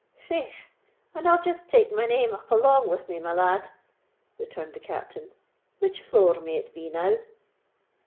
"Faith! and I'll just take my name up along with me, my lad," returned the Captain. "Which floor may it be now?"